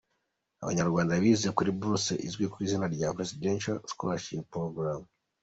Abo Banyarwanda bize kuri buruse izwi ku izina rya Presidential Scholarship program.